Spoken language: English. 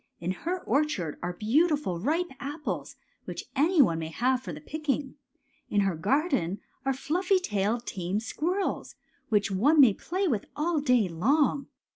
In her orchard are beautiful ripe apples, which any one may have for the picking. In her garden are fluffy tailed, tame squirrels, which one may play with all day long.